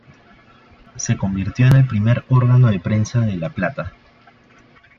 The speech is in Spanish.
Se convirtió en el primer órgano de prensa de La Plata.